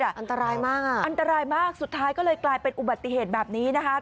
อันตรายมากอ่ะอันตรายมากสุดท้ายก็เลยกลายเป็นอุบัติเหตุแบบนี้นะคะ